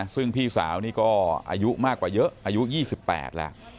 ซึ่งพี่สาวนี่ก็อายุมากกว่าเยอะอายุ๒๘แล้ว